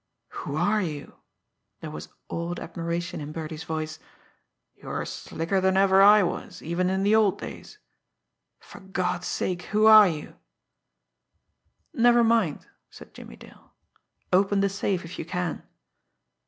"Who are you?" There was awed admiration in Birdie's voice. "You're slicker than ever I was, even in the old days. For God's sake, who are you?" "Never mind," said Jimmie Dale. "Open the safe, if you can."